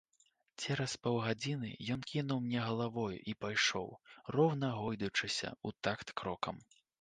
Цераз паўгадзіны ён кіўнуў мне галавою і пайшоў, роўна гойдаючыся ў такт крокам.